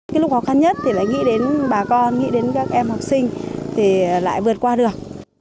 cái lúc khó khăn nhất thì lại nghĩ đến bà con nghĩ đến các em học sinh thì lại vượt qua được